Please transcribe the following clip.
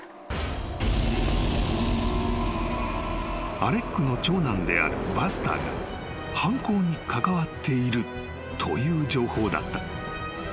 ［アレックの長男であるバスターが犯行に関わっているという情報だった］